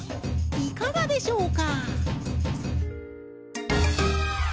いかがでしょうか？